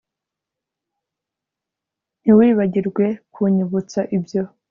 Ntiwibagirwe kunyibutsa ibyo